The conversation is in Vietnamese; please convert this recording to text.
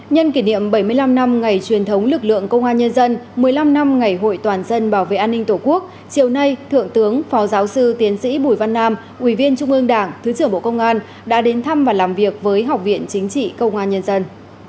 nhân kỷ niệm bảy mươi năm năm ngày truyền thống lực lượng công an nhân dân một mươi năm năm ngày hội toàn dân bảo vệ an ninh tổ quốc chiều nay thượng tướng phó giáo sư tiến sĩ bùi văn nam ủy viên trung ương đảng thứ trưởng bộ công an đã đến thăm và làm việc với học viện chính trị công an nhân dân